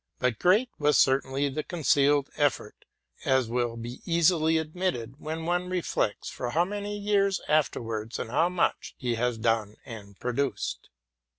But great was certainly the concealed effort, as will be easily admitted when one reflects for how many years afterwards, and how much, he has done and produced.